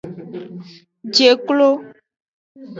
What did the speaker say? Je klo.